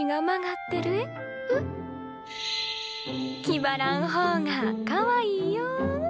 気張らん方がかわいいよ。